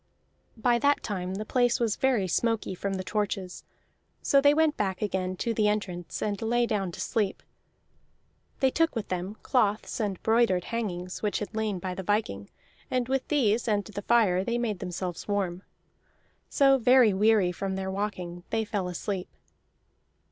By that time the place was very smoky from the torches, so they went back again to the entrance and lay down to sleep; they took with them cloths and broidered hangings which had lain by the viking, and with these and the fire they made themselves warm. So, very weary from their walking, they fell asleep.